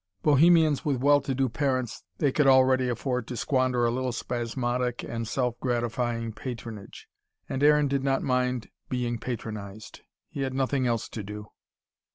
Bohemians with well to do parents, they could already afford to squander a little spasmodic and self gratifying patronage. And Aaron did not mind being patronised. He had nothing else to do.